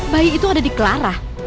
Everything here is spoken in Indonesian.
bayi itu ada di clara